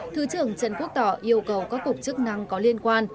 thứ trưởng trần quốc tỏ yêu cầu các cục chức năng có liên quan